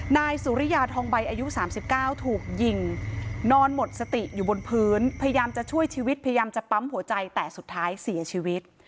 นายสุริยาทองใบอายุ๓๙ถูกยิงนอนหมดสติอยู่บนพื้นพยายามจะช่วยชีวิตพยายามจะปั๊มหัวใจแต่สุดท้ายเสียชีวิต